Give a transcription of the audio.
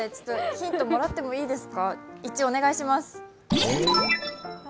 ヒントをもらってもいいですか。